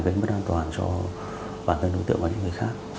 gây mất an toàn cho bản thân đối tượng và những người khác